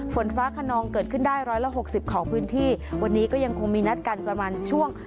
ฝนฟ้าขนองเกิดขึ้นได้ร้อยละหกสิบของพื้นที่วันนี้ก็ยังคงมีนัดกันประมาณช่วง